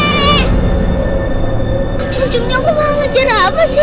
wajunya aku malah gak ada apa sih